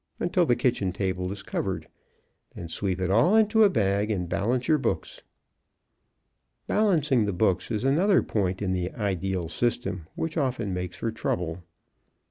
until the kitchen table is covered. Then sweep it all into a bag and balance your books. Balancing the books is another point in the ideal system which often makes for trouble.